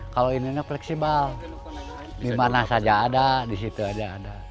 kalau ini fleksibel dimana saja ada disitu aja ada